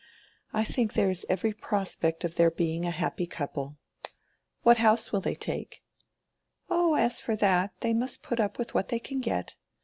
"I think there is every prospect of their being a happy couple. What house will they take?" "Oh, as for that, they must put up with what they can get.